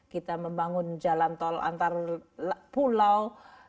kita membangun jalan tol antar pulau